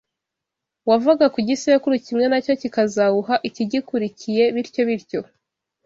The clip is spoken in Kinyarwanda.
wavaga ku gisekuru kimwe nacyo kikazawuha ikigikurikiye bityo bityo